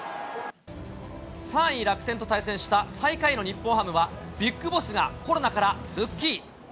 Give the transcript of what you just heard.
３位楽天と対戦した最下位の日本ハムは、ＢＩＧＢＯＳＳがコロナから復帰。